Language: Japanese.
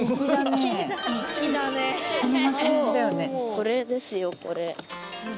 これですよこれ。